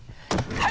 はい！